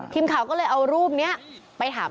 ทีมข่าวก็เลยเอารูปนี้ไปถาม